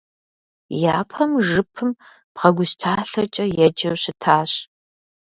Япэм жыпым бгъэгущталъэкӏэ еджэу щытащ.